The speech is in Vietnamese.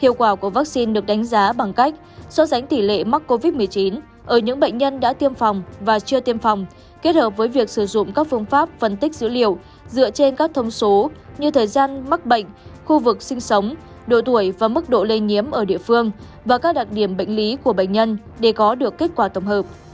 hiệu quả của vaccine được đánh giá bằng cách so sánh tỷ lệ mắc covid một mươi chín ở những bệnh nhân đã tiêm phòng và chưa tiêm phòng kết hợp với việc sử dụng các phương pháp phân tích dữ liệu dựa trên các thông số như thời gian mắc bệnh khu vực sinh sống độ tuổi và mức độ lây nhiễm ở địa phương và các đặc điểm bệnh lý của bệnh nhân để có được kết quả tổng hợp